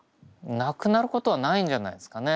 なくなることはないんじゃないですかね。